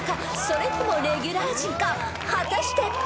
［それともレギュラー陣か果たして？］